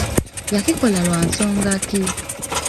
Yakikola lwa nsonga ki?